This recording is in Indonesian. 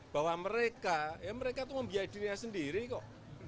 bahwa mereka ya mereka itu membiayai dirinya sendiri kok